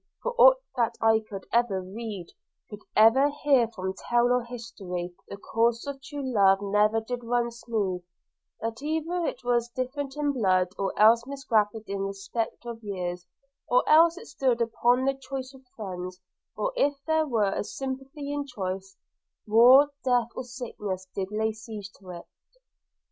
for aught that I could ever read, Could ever hear from tale or history, The course of true love never did run smooth; But either it was different in blood, Or else misgrafted in respect of years, Or else it stood upon the choice of friends; Or, if there were a sympathy in choice, War, death, or sickness, did lay siege to it.